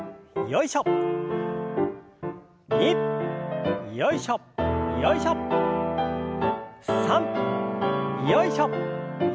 よいしょよいしょ。